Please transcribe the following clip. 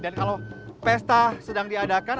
dan kalau pesta sedang diadakan